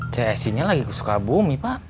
cesi nya lagi suka abumi pak